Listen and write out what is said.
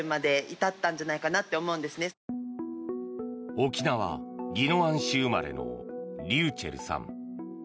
沖縄・宜野湾市生まれのｒｙｕｃｈｅｌｌさん。